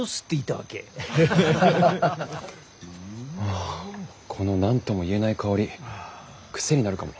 ああこの何とも言えない香り癖になるかも。